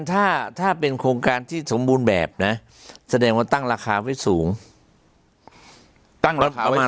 ถ้าถ้าเป็นโครงการที่สมบูรณ์แบบนะแสดงว่าตั้งราคาไว้สูงตั้งราคาไว้